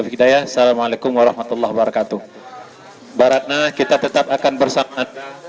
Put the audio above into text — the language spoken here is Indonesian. fikri daya salamualaikum warahmatullah wabarakatuh barat nah kita tetap akan bersama